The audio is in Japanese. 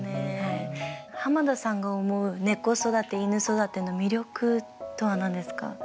濱田さんが思う「ねこ育ていぬ育て」の魅力とは何ですか？